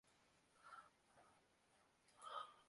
隨機騙局